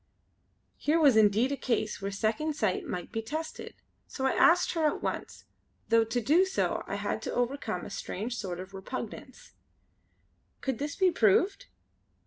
Here was indeed a case where Second Sight might be tested; so I asked her at once, though to do so I had to overcome a strange sort of repugnance: "Could this be proved?